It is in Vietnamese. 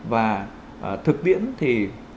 và thực biễn thì